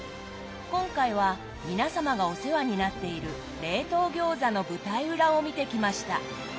今回は皆様がお世話になっている冷凍餃子の舞台裏を見てきました。